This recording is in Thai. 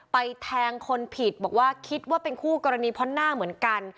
แทงคนผิดบอกว่าคิดว่าเป็นคู่กรณีเพราะหน้าเหมือนกัน